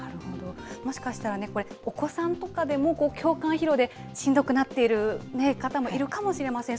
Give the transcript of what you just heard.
もしかしたら、これ、お子さんとかでも共感疲労でしんどくなってる方もいるかもしれません。